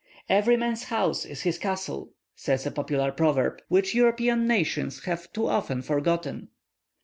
"Every man's house is his castle," says a popular proverb, which European nations have too often forgotten.